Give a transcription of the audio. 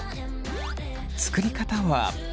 作り方は。